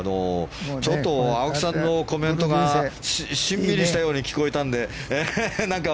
ちょっと青木さんのコメントがしんみりしたように聞こえたのでなんか